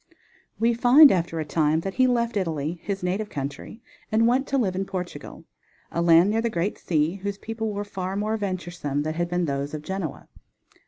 We find after a time that he left Italy, his native country, and went to live in Portugal, a land near the great sea, whose people were far more venturesome than had been those of Genoa.